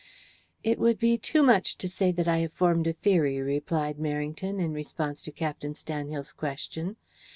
"It would be too much to say that I have formed a theory," replied Merrington, in response to Captain Stanhill's question.